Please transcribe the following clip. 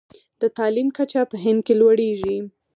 د تعلیم کچه په هند کې لوړیږي.